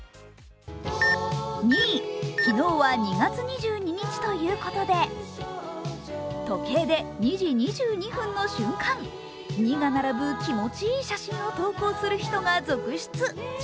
２位、昨日は２月２２日ということで時計で２時２２分の瞬間、２が並ぶ気持ちいい写真を投稿する人が続出。